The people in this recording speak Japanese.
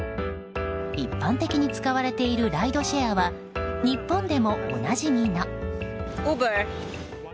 一般的に使われているライドシェアは日本でもおなじみの。